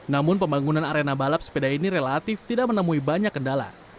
namun pembangunan arena balap sepeda ini relatif tidak menemui banyak kendala